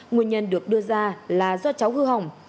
nguyên nhân được đưa ra là do cháu hư hỏng